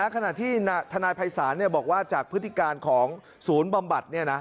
ขณะที่ทนายภัยศาลบอกว่าจากพฤติการของศูนย์บำบัด